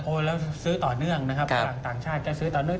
แล้วซื้อต่อเนื่องนะครับจากต่างชาติก็ซื้อต่อเนื่อง